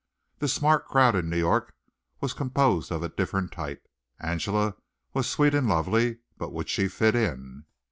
The smart crowd in New York was composed of a different type. Angela was sweet and lovely, but would she fit in?